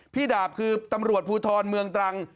ดาบคือตำรวจภูทรเมืองตรัง